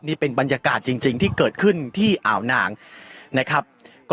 นี่เป็นบรรยากาศจริงที่เกิดขึ้นที่อ่าวนางนะครับ